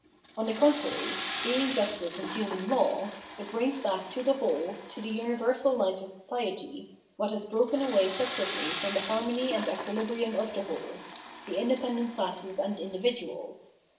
On the contrary, being justice in human law, it brings back to the whole, to the universal life of society, what has broken away separately from the harmony and equilibrium of the whole :— the indepen dent classes and individuals.